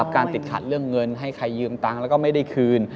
การติดขัดเรื่องเงินให้ใครยืมตังค์แล้วก็ไม่ได้คืน